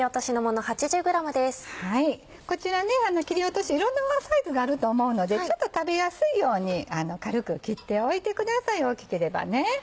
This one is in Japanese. こちら切り落としいろんなサイズがあると思うのでちょっと食べやすいように軽く切っておいてください大きければね。